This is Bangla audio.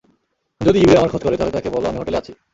যদি ইউরে আমার খোঁজ করে তাহলে তাকে বলো আমি হোটেলে আছি।